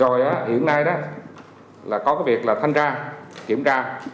rồi hiện nay đó là có cái việc là thanh tra kiểm tra